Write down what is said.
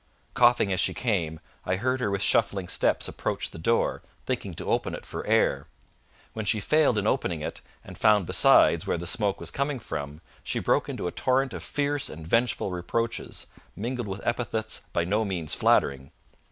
Coughing as she came, I heard her with shuffling steps approach the door, thinking to open it for air. When she failed in opening it, and found besides where the smoke was coming from, she broke into a torrent of fierce and vengeful reproaches, mingled with epithets by no means flattering.